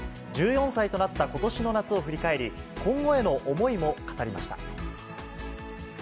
１４歳となったことしの夏を振り返り、今後への思いも語りました。